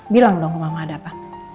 bilang dong ke mama ada apa